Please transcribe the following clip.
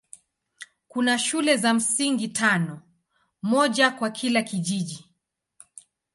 Kuna shule za msingi tano, moja kwa kila kijiji.